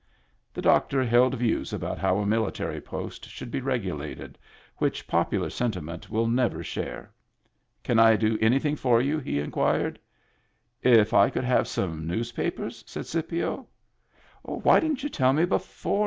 The doctor held views about how a military post should be regulated, which popular sentiment will never share. " Can I do anything for you ?" he inquired. "If I could have some newspapers?" said Scipio. "Why didn't you tell me before.